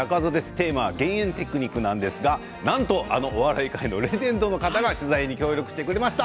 テーマは減塩テクニックなんですが、なんとあのお笑い界のレジェンドの方が取材に協力してくれました。